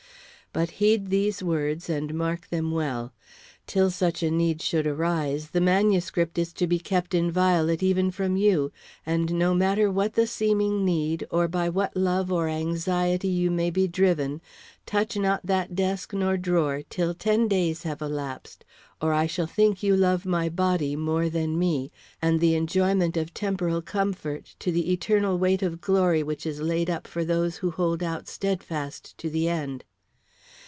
But heed these words and mark them well: Till such a need should arise, the manuscript is to be kept inviolate even from you; and no matter what the seeming need, or by what love or anxiety you may be driven, touch not that desk nor drawer till ten days have elapsed, or I shall think you love my body more than me, and the enjoyment of temporal comfort to the eternal weight of glory which is laid up for those who hold out steadfast to the end.